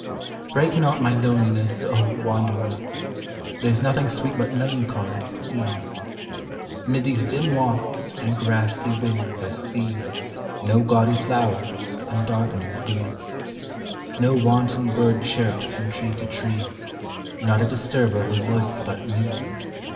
Beeak not my loneliness, Wanderer! There's nothing sweet but Melancholy, here. â 'Mid these dim walks and grassy wynds are seen No gaudy flowers, undarkening the green : No wanton bird chirrups from tree to tree, Not a disturber of the woods but me